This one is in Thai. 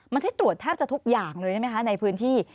มันใช้ตรวจแทบจะทุกอย่างเลยใช่ไหมคะในพื้นที่